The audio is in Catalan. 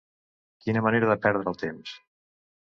Quina manera de perdre el temps!